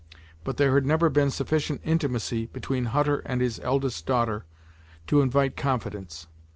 But there had never been sufficient intimacy between Hutter and his eldest daughter to invite confidence.